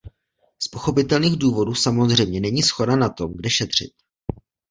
Z pochopitelných důvodů samozřejmě není shoda na tom, kde šetřit.